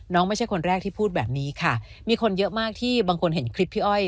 ไม่ใช่คนแรกที่พูดแบบนี้ค่ะมีคนเยอะมากที่บางคนเห็นคลิปพี่อ้อย